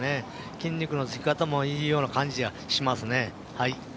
筋肉のつき方もいいような感じがしますね。